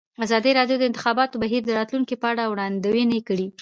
ازادي راډیو د د انتخاباتو بهیر د راتلونکې په اړه وړاندوینې کړې.